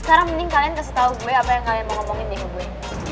sekarang mending kalian kasih tau gue apa yang kalian mau ngomongin nih ke gue